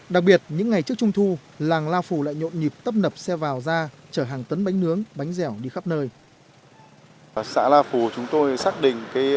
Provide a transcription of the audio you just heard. đặc biệt những ngày trước trung thu làng lao phù lại nhộn nhịp tấp nập xe vào ra chở hàng tấn bánh nướng bánh dẻo đi khắp nơi